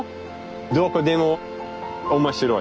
どこでも面白い。